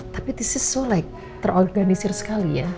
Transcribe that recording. tapi ini sangat terorganisir sekali ya